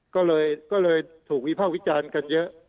ก็เลยถูกวิภาควิจารณ์กันเยอะ